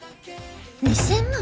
２，０００万？